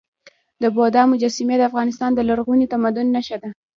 د بودا مجسمې د افغانستان د لرغوني تمدن نښه ده.